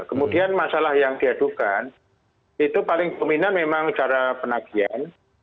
kemudian masalah yang diadukan itu paling dominan memang cara penagihan